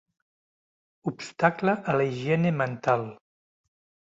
Obstacle a la higiene mental.